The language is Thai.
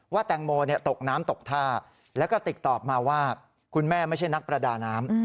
แตงโมตกน้ำตกท่าแล้วก็ติดต่อมาว่าคุณแม่ไม่ใช่นักประดาน้ำ